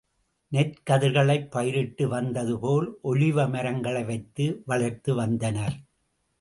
நெற்கதிர்களைப் பயிரிட்டு வந்ததுபோல், ஒலிவ மரங்களை வைத்து வளர்த்து வந்தனர்.